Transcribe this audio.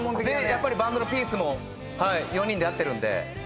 やっぱりバンドのピースも４人で合ってるんで。